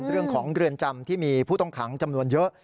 เรื่องของเรือนจำที่มีผู้ต้องขังจำนวนเยอะ